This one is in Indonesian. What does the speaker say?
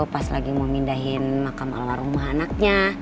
pas lagi mau pindahin makam ala rumah anaknya